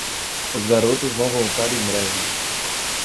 Os garotos vão voltar em breve.